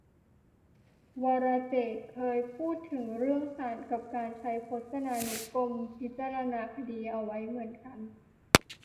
วรเจตน์ เคยพูดถึงเรื่องศาลกับการใช้พจนานุกรมพิจารณาคดีเอาไว้เหมือนกัน